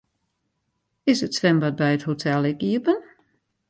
Is it swimbad by it hotel ek iepen?